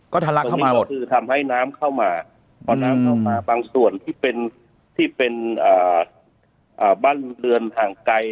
ก็ทะลักเข้ามาก็คือทำให้น้ำเข้ามาพอน้ำเข้ามาบางส่วนที่เป็นที่เป็นบ้านเรือนห่างไกล